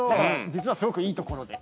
実はすごくいいところで。